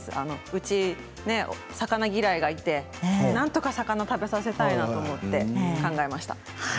うちは魚嫌いがいてなんとか魚を食べさせたいなと思って考えました。